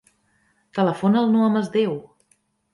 Telefona al Noah Masdeu.